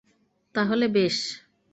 তাহলে, বেশ।